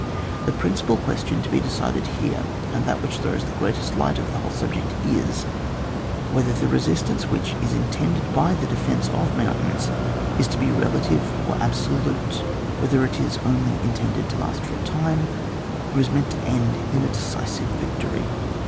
The principal question to be decided here, and that which throws the greatest light over the whole subject is, whether the resistance which is intended by the defence of mountains is to be relative or absokUe — whether it is only intended to last for a time, or is meant to end in a decisive victory.